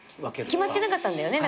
決まってなかったんだよね。